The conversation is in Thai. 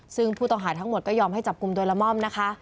ซึ่งผู้ต้องหาทั้งหมดก็ยอมให้จับกลุ่มโดยละม่อมนะคะ